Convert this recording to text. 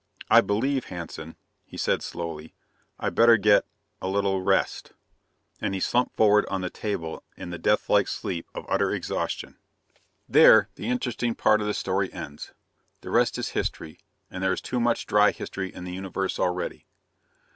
"I believe, Hanson," he said slowly, "I'd better get ... a little ... rest," and he slumped forward on the table in the death like sleep of utter exhaustion. There the interesting part of the story ends. The rest is history, and there is too much dry history in the Universe already.